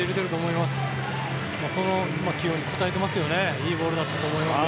いいボールだったと思います。